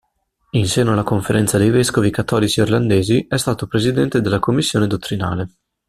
In seno alla Conferenza dei vescovi cattolici irlandesi è stato presidente della commissione dottrinale.